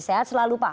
sehat selalu pak